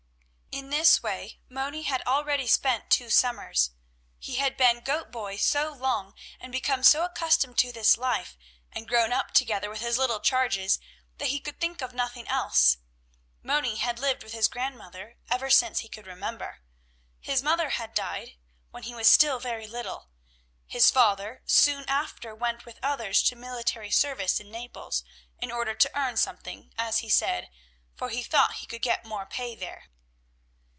In this way Moni had already spent two summers. He had been goat boy so long and become so accustomed to this life and grown up together with his little charges that he could think of nothing else. Moni had lived with his grandmother ever since he could remember. His mother had died when he was still very little; his father soon after went with others to military service in Naples, in order to earn something, as he said, for he thought he could get more pay there.